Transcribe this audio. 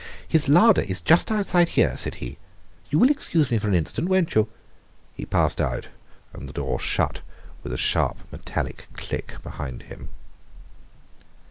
"His larder is just outside here," said he. "You will excuse me for an instant won't you?" He passed out, and the door shut with a sharp metallic click behind him.